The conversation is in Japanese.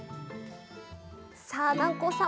さあ南光さん